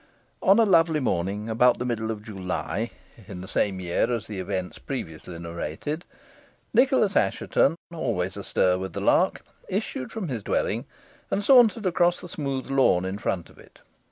On a lovely morning, about the middle of July, in the same year as the events previously narrated, Nicholas Assheton, always astir with the lark, issued from his own dwelling, and sauntered across the smooth lawn in front of it.